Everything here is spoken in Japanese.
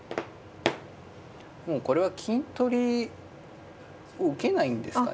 もうこれは金取りを受けないんですかね。